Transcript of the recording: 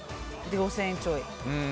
４０００円ちょい。